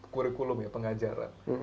kurikulum ya pengajaran